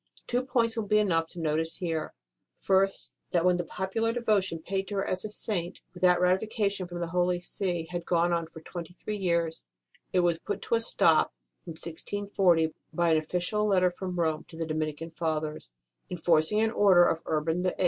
Two points will be enough to notice here : first, that when the popular devotion paid to her as a Saint, without ratification from the Holy See, had gone on for twenty three years, it was put a stop to in 1640 by an official letter from Rome to the Dominican WHAT HAPPENED AFTER ROSE S DEATH 187 Fathers, enforcing an order of Urban VIII.